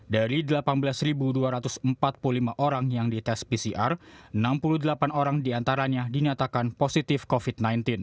dari delapan belas dua ratus empat puluh lima orang yang dites pcr enam puluh delapan orang diantaranya dinyatakan positif covid sembilan belas